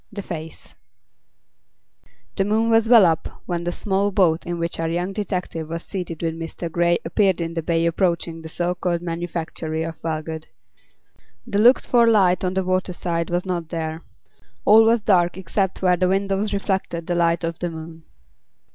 THE FACE The moon was well up when the small boat in which our young detective was seated with Mr. Grey appeared in the bay approaching the so called manufactory of Wellgood. The looked for light on the waterside was not there. All was dark except where the windows reflected the light of the moon.